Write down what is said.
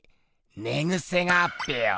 ねぐせがあっぺよ！